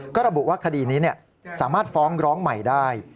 ก็ระบุว่าคดีนี้สามารถฟ้องร้องใหม่ได้